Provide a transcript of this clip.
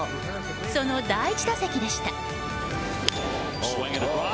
その第１打席でした。